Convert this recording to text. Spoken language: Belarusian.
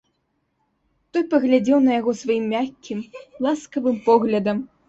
Той паглядзеў на яго сваім мяккім, ласкавым поглядам.